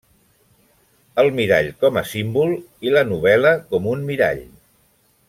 El mirall com a símbol i la novel·la com un mirall.